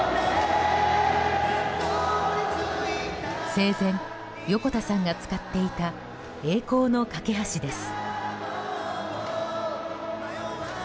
生前、横田さんが使っていた「栄光の架橋」です。